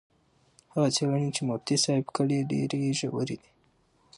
هغه څېړنې چې مفتي صاحب کړي ډېرې ژورې دي.